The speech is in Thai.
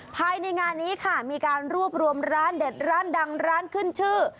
ภายในงานนี้ค่ะมีการรวบรวมร้านเด็ดร้านดังร้านขึ้นชื่อ